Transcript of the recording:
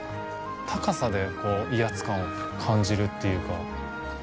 高さで威圧感を感じるというか。